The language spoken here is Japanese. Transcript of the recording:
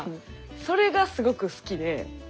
それがすごく好きで。